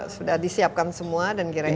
sudah disiapkan semua dan kira kira